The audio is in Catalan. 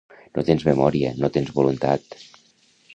No tens memòria, no tens voluntat…